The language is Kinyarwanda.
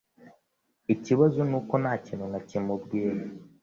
Ikibazo nuko ntakintu nakimubwira